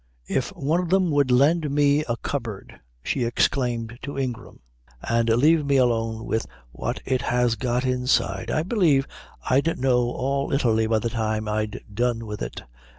"If one of them would lend me a cupboard," she exclaimed to Ingram, "and leave me alone with what it has got inside it, I believe I'd know all Italy by the time I'd done with it.